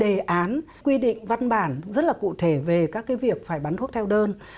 đề án quy định văn bản rất là cụ thể về các việc phải bán thuốc theo đơn